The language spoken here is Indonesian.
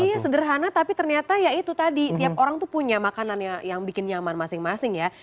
iya sederhana tapi ternyata ya itu tadi tiap orang tuh punya makanan yang bikin nyaman masing masing ya